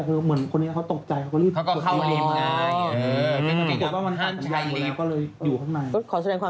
เหมือนล่ะเสียชีวิตก็เหมือนว่า